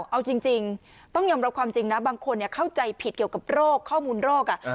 เอาจริงต้องยอมรับความจริงนะบางคนเข้าใจผิดเกี่ยวกับโรคข้อมูลโรค